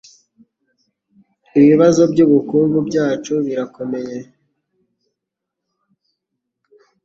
Ibibazo byubukungu byacu birakomeye